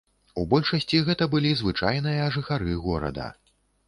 У большасці гэта былі звычайныя жыхары горада.